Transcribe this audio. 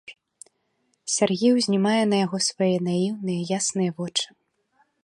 Сяргей узнімае на яго свае наіўныя, ясныя вочы.